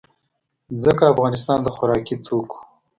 ځکه افغانستان د خوراکي توکو